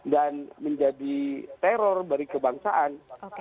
dan menjadi teror dari kebangsaan